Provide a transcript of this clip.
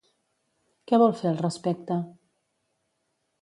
Què vol fer al respecte?